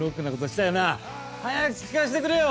早く聴かせてくれよ